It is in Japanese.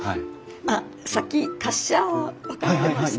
あっさっき滑車分かってました？